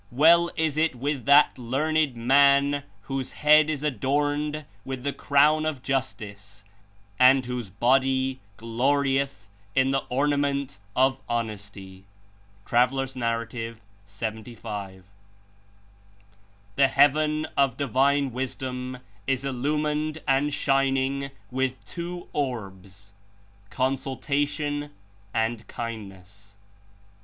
Well Is It with that learned man whose head Is adorned with the crown of justice and whose body glorleth In the ornament of honesty." (T. N. 75.) "The heaven of Divine Wisdom Is Illumined and shining with two orbs — Consultation and Kindness.